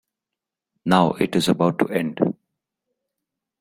Now it is about to end.